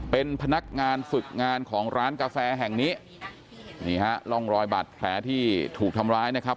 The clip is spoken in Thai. เป็นพนักงานฝึกงานของร้านกาแฟแห่งนี้นี่ฮะร่องรอยบาดแผลที่ถูกทำร้ายนะครับ